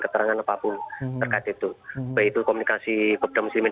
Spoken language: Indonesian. keterangan apapun terkait itu baik itu komunikasi kopda muslimin